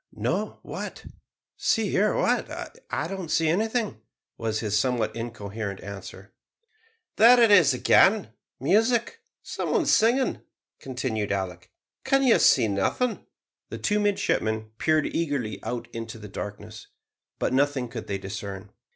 "No what? see, hear what? I don't see anything," was his somewhat incoherent answer. "There it is again; music some one singing," continued Alick. "Can you see nothing?" The two midshipmen peered eagerly out into the darkness, but nothing could they discern.